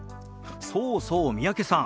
そうそう三宅さん